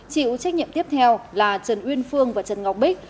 chịu trách nhiệm tiếp theo là trần uyên phương và trần ngọc bích